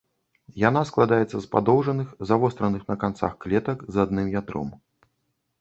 Яна складаецца з падоўжаных, завостраных на канцах клетак з адным ядром.